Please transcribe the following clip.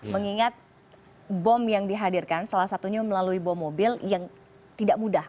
mengingat bom yang dihadirkan salah satunya melalui bom mobil yang tidak mudah